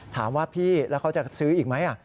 ถามว่าพี่แล้วเขาจะซื้ออีกไหม